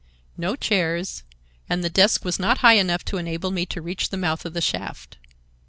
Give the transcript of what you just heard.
No chairs, and the desk was not high enough to enable me to reach the mouth of the shaft.